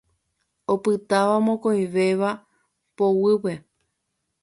Opytáva mokõivéva poguýpe.